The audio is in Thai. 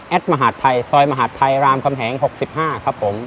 มหาดไทยซอยมหาดไทยรามคำแหง๖๕ครับผม